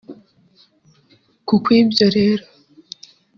Ku bw’ibyo rero